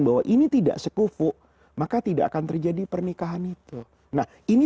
bahwa ini tidak sekufu maka tidak akan terjadi pernikahan itu nah ini